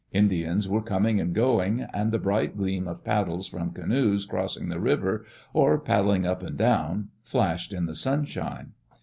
Indians were coming and going, and the bright gleam of paddles from canoes crossing the river, or pad dling up and down, flashed in the sunshine.